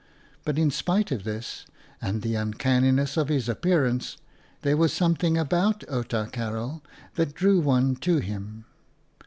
But in spite of this, and the uncanniness of his appearance, there was something about Outa Karel that drew one to him.